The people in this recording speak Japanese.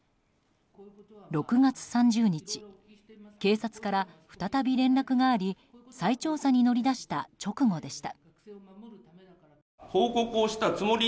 ６月３０日、警察から再び連絡があり再調査に乗り出した直後でした。